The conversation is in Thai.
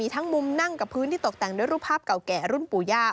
ทั้งมุมนั่งกับพื้นที่ตกแต่งด้วยรูปภาพเก่าแก่รุ่นปู่ย่า